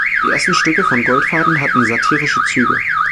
Die ersten Stücke von Goldfaden hatten satirische Züge.